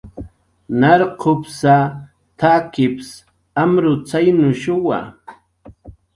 "Narqupsa, t""akips amrutzaynushuwa"